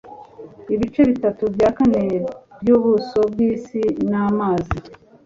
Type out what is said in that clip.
Ibice bitatu bya kane byubuso bwisi ni amazi.